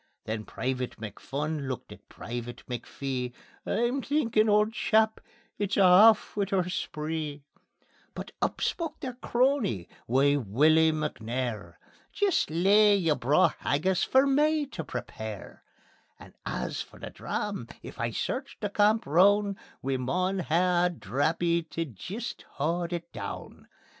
Then Private McPhun looked at Private McPhee: "I'm thinkin' auld chap, it's a' aff wi' oor spree." But up spoke their crony, wee Wullie McNair: "Jist lea' yer braw haggis for me tae prepare; And as for the dram, if I search the camp roun', We maun hae a drappie tae jist haud it doon.